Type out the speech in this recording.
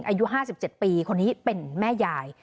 หลังจาก๕๗ปีคนนี้เป็นแม่ยาย